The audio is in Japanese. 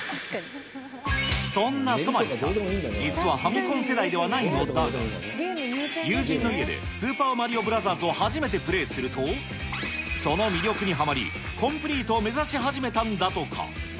そんなソマリさん、実はファミコン世代ではないのだが、友人の家でスーパーマリオブラザーズを初めてプレーすると、その魅力にはまり、コンプリートを目指し始めたんだとか。